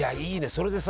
それでさ